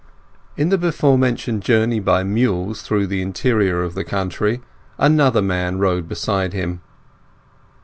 In the before mentioned journey by mules through the interior of the country, another man rode beside him.